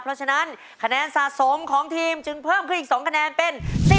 เพราะฉะนั้นคะแนนสะสมของทีมจึงเพิ่มขึ้นอีก๒คะแนนเป็น